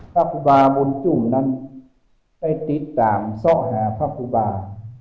พระภูบาวนจุ่มนั้นได้ติดตามซ่อหาพระภูบา